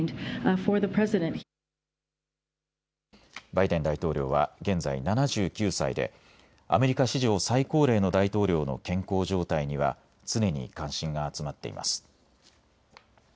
バイデン大統領は現在７９歳でアメリカ史上最高齢の大統領の健康状態には常に関心が集まっています。